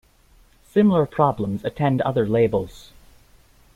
Similar problems attend other labels.